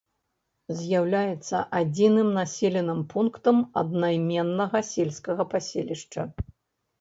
З'яўляецца адзіным населеным пунктам аднайменнага сельскага паселішча.